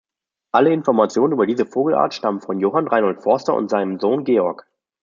Alle Informationen über diese Vogelart stammen von Johann Reinhold Forster und seinem Sohn Georg.